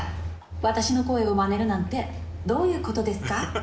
私の声をまねるなんて、どういうことですか？